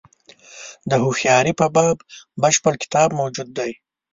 د هوښیاري په باب بشپړ کتاب موجود دی.